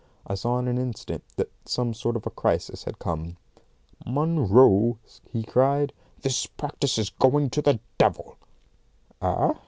I saw in an instant that some sort of a crisis had come. "Munro," he cried, "this practice is going to the devil!" "Ah!"